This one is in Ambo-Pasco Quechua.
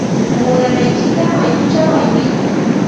Muudanaykita mayuchaw aywiy.